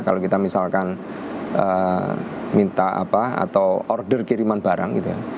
kalau kita misalkan minta apa atau order kiriman barang gitu ya